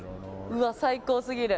うわ、最高すぎる。